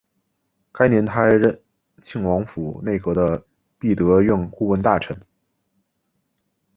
该年他还任庆亲王内阁的弼德院顾问大臣。